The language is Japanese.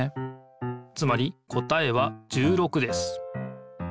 つまり答えは１６です。